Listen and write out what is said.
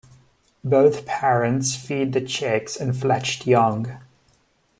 Both parents feed the chicks and fledged young.